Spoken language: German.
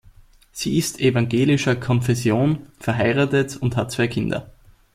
Sie ist evangelischer Konfession, verheiratet und hat zwei Kinder.